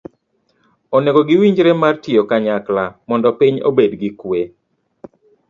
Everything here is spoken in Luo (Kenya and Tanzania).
onego giwinjre mar tiyo kanyakla mondo piny obed gi kwe.